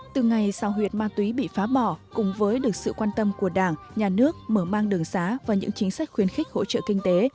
từ ngày sau huyện ma túy bị phá bỏ cùng với được sự quan tâm của đảng nhà nước mở mang đường xá và những chính sách khuyến khích hỗ trợ kinh tế